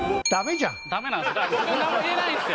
ダメなんですよ。